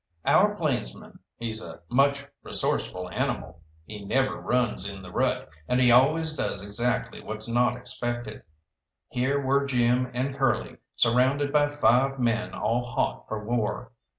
Our plainsman, he's a much resourceful animal: he never runs in the rut, and he always does exactly what's not expected. Here were Jim and Curly surrounded by five men all hot for war.